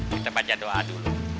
kita panjang doa dulu